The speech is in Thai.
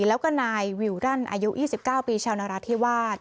แล้วก็นายวิวดันอายุ๒๙ปีชาวนราธิวาส